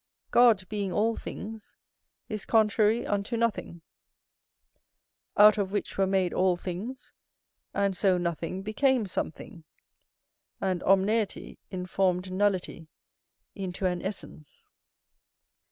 God, being all things, is contrary unto nothing; out of which were made all things, and so nothing became something, and omneity informed nullity into an essence.